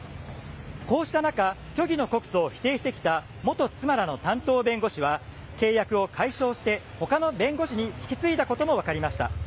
こうした中、虚偽の告訴を否定してきた元妻らの担当弁護士は、契約を解消して、ほかの弁護士に引き継いだことも分かりました。